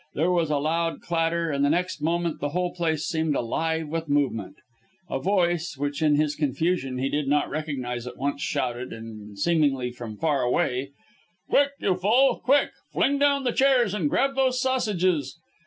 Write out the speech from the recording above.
There was a loud clatter, and the next moment the whole place seemed alive with movement. A voice which in his confusion he did not recognize at once shouted and seemingly from far away "Quick, you fool, quick! Fling down the chairs and grab those sausages!"